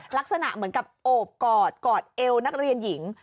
ลักษณะเหมือนกับโอบกอดกอดเอวนักเรียนหญิง